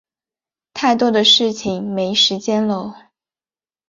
太多的事情没时间搂